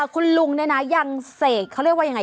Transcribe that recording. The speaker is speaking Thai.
คุณลุงเนี่ยนะยังเสกเขาเรียกว่ายังไง